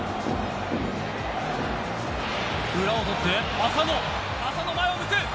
裏を取って、浅野浅野、前を向く。